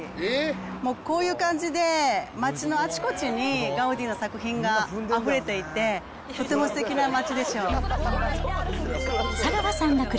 もうこういう感じで、街のあちこちにガウディの作品があふれていて、とてもすてきな街